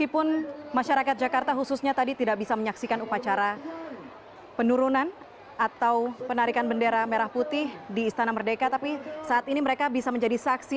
penyerahan sang merah putih dan naskah proklamasi